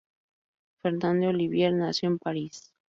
Fernande Olivier nació en París.